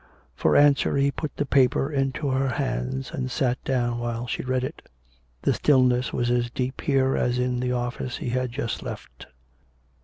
For answer he put the paper into her hands, and sat down while she read it. The still ness was as deep here as in the office he had just left.